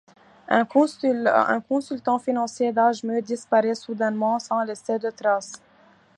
Un consultant financier d'âge mûr disparaît soudainement sans laisser de trace.